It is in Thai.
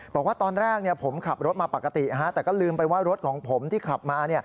บอกว่าตอนแรกผมขับรถมาปกติแต่ก็ลืมไปว่ารถของผมที่ขับมา